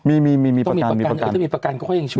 มีมีมีมีประกันต้องมีประกันถ้ามีประกันก็ค่อยยังช่วยน่ะ